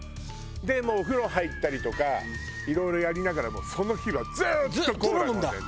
でもうお風呂入ったりとかいろいろやりながらその日はずっとコーラ飲んでるの。